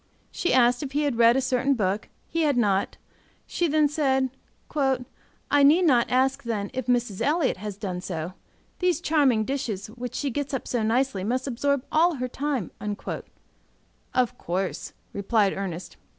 She asked if he had read a certain book; he had not; she then said, "I need not ask, then, if Mrs. Elliott has done so? These charming dishes, which she gets up so nicely, must absorb all her time." "Of course," replied Ernest.